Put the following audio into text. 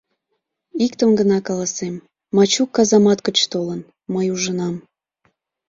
Иктым гына каласем: Мачук казамат гыч толын... мый ужынам...